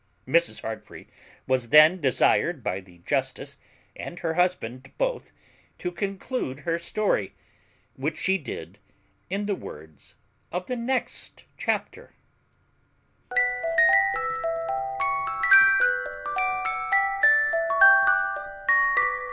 Mrs. Heartfree was then desired by the justice and her husband both, to conclude her story, which she did in the words of the next chapter.